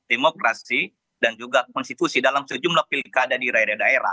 demokrasi dan juga konstitusi dalam sejumlah pilih keadaan di rakyat